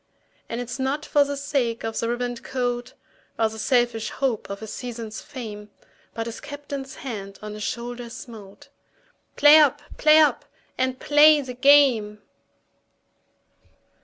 And it's not for the sake of a ribboned coat, Or the selfish hope of a season's fame, But his Captain's hand on his shoulder smote "Play up! play up! and play the game!"